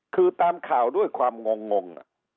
คือตามข่าวด้วยความงง